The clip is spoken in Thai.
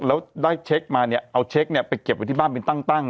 แล้วได้เช็คมาเนี่ยเอาเช็คเนี่ยไปเก็บไว้ที่บ้านเป็นตั้ง